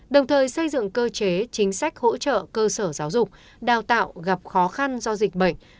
đồng thời xây dựng cơ chế chính sách hỗ trợ cơ sở giáo dục đào tạo gặp khó khăn do dịch bệnh